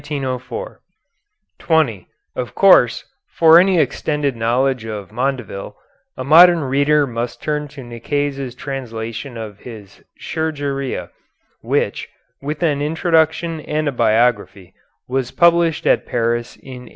] [Footnote 20: Of course, for any extended knowledge of Mondeville, a modern reader must turn to Nicaise's translation of his "Chirurgia," which, with an introduction and a biography, was published at Paris in 1893.